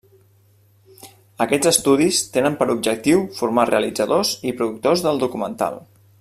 Aquests estudis tenen per objectiu formar realitzadors i productors del documental.